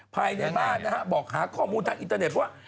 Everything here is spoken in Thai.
ภายในบ้านนะฮะบอกหาข้อมูลทางอินเตอร์เน็ตว่า